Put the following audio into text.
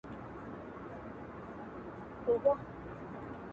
o زه يم دا مه وايه چي تا وړي څوك.